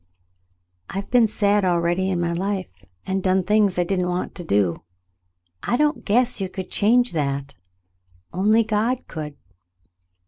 "I've been sad already in my life, and done things I didn't want to do. I don't guess you could change that — only God could."